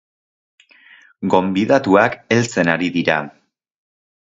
Gonbidatuak heltzen ari dira.